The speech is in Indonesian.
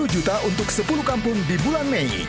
sepuluh juta untuk sepuluh kampung di bulan mei